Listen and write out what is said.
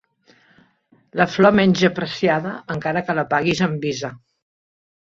La flor menys apreciada, encara que la paguis amb visa.